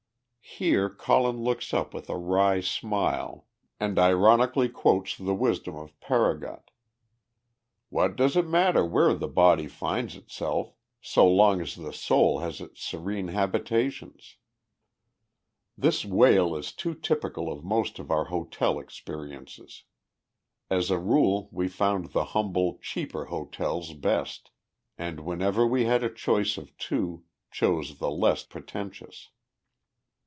Here Colin looks up with a wry smile and ironically quotes from the wisdom of Paragot: "What does it matter where the body finds itself, so long as the soul has its serene habitations?" This wail is too typical of most of our hotel experiences. As a rule we found the humble, cheaper hotels best, and, whenever we had a choice of two, chose the less pretentious.